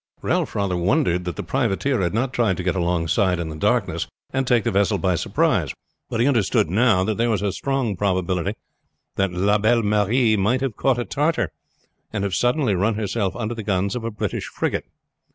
Ralph rather wondered that the privateer had not tried to get alongside in the darkness and take the vessel by surprise, but he understood now that there was a strong probability that the Belle Marie might have caught a tartar and have suddenly run herself under the guns of a British frigate.